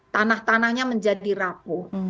tanah tanahnya menjadi rapuh